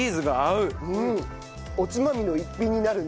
うん！おつまみの一品になるね。